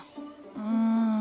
うん。